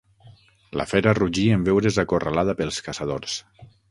La fera rugí en veure's acorralada pels caçadors.